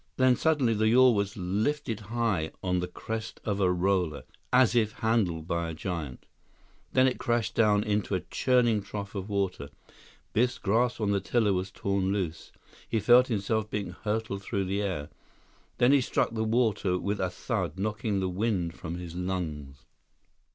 Then, suddenly, the yawl was lifted high on the crest of a roller, as if handled by a giant. When it crashed down into a churning trough of water, Biff's grasp on the tiller was torn loose. He felt himself being hurled through the air. Then he struck the water with a thud, knocking the wind from his lungs.